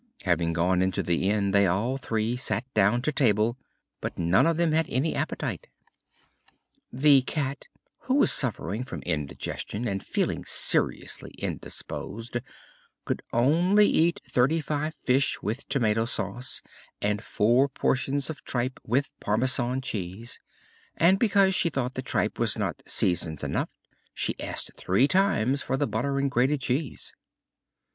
Having gone into the inn they all three sat down to table, but none of them had any appetite. The Cat, who was suffering from indigestion and feeling seriously indisposed, could only eat thirty five fish with tomato sauce and four portions of tripe with Parmesan cheese; and because she thought the tripe was not seasoned enough, she asked three times for the butter and grated cheese!